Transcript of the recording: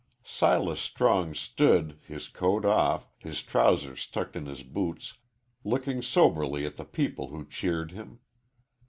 Silas Strong stood, his coat off, his trousers tucked in his boots, looking soberly at the people who cheered him.